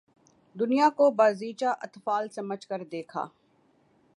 دنیا کو بازیچہ اطفال سمجھ کر دیکھا